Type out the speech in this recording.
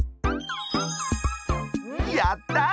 やった！